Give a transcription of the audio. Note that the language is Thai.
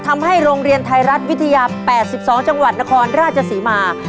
ทำให้โรงเรียนไทยรัฐวิทยา๘๒จังหวัดนครราชศรีมา